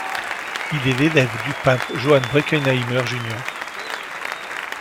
Il est l'élève du peintre Joannes Brekenheimer jr.